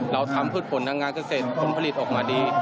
เราทำพืชผลทางงานเกษตรผลผลิตออกมาดี